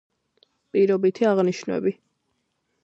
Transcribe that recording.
პირობითი აღნიშვნები